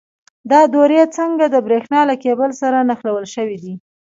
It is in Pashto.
دا دورې څنګه د برېښنا له کیبل سره نښلول شوي دي؟